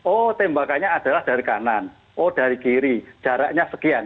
oh tembakannya adalah dari kanan oh dari kiri jaraknya sekian